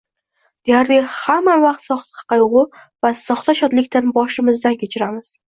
Deyarli hamma vaqt soxta qayg‘u va soxta shodlikni boshimizdan kechiramiz.